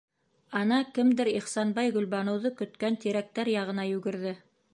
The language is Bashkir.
Ана кемдер Ихсанбай Гөлбаныуҙы көткән тирәктәр яғына йүгерҙе.